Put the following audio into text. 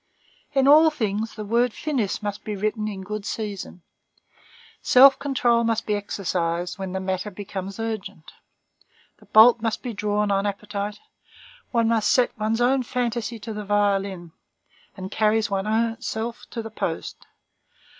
In all things the word finis must be written in good season; self control must be exercised when the matter becomes urgent; the bolt must be drawn on appetite; one must set one's own fantasy to the violin, and carry one's self to the post.